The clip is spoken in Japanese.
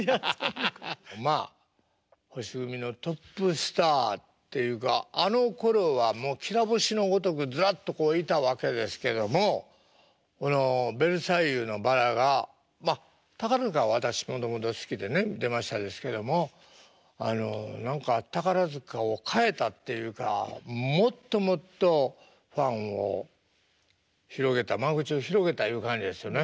まあ星組のトップスターっていうかあのころはもうきら星のごとくずらっといたわけですけどもこの「ベルサイユのばら」がまあ宝塚は私本当本当好きでね出ましたですけどもあの何か宝塚を変えたっていうかもっともっとファンを広げた間口を広げたいう感じですよね。